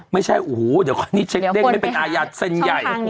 ไม่ใช่โอ้โหเดี๋ยวก่อนนี้เช็คเด้งไม่เป็นอาญาเซ็นใหญ่